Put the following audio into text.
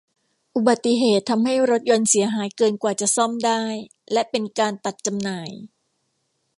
อุบัติเหตุทำให้รถยนต์เสียหายเกินกว่าจะซ่อมได้และเป็นการตัดจำหน่าย